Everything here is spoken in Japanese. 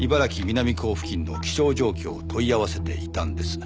南港付近の気象状況を問い合わせていたんです。